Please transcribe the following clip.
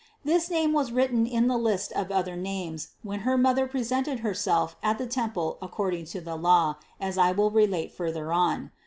This name was written in the list of other names, when her mother presented herself at the temple according to the law, as I will relate further on.